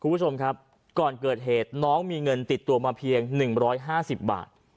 คุณผู้ชมครับก่อนเกิดเหตุน้องมีเงินติดตัวมาเพียง๑๕๐บาท